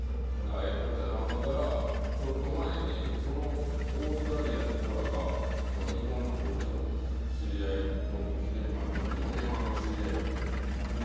ええこっちゃな思ったらちょっと前にそのオーストラリアの子らが日本のこっちの知り合いのとこ来てはるとか何かで嫁はんの知り合いやってん。